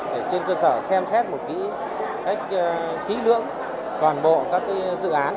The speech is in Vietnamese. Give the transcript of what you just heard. để trên cơ sở xem xét một cách kỹ lưỡng toàn bộ các dự án